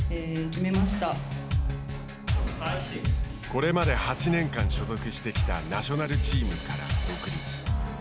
これまで８年間所属してきたナショナルチームから独立。